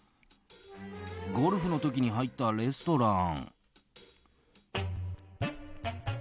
ゴルフの時に入ったレストラン。